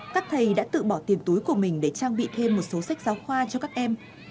các thầy đã tự bỏ tiền túi của mình để trang bị thêm một số sách giáo khoa cho các em